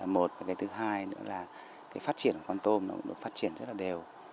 một cái thứ hai nữa là cái phát triển của con tôm nó phát triển rất là đều